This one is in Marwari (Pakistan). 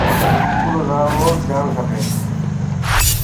اسڪول روز جاڻ کپيَ۔